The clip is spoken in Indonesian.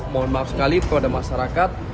mohon maaf sekali kepada masyarakat